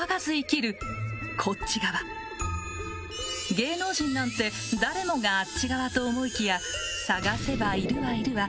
芸能人なんて誰もがあっち側と思いきや探せばいるわ、いるわ。